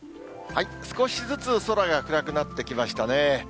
少しずつ空が暗くなってきましたね。